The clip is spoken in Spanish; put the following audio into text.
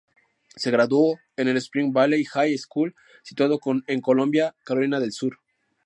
Se graduó en el "Spring Valley High School", situado en Columbia, Carolina del Sur.